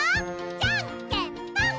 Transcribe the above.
じゃんけんぽん！